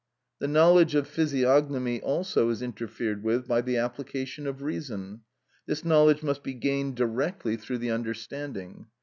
The knowledge of physiognomy also, is interfered with by the application of reason. This knowledge must be gained directly through the understanding.